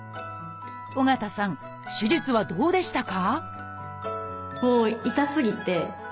緒方さん手術はどうでしたか？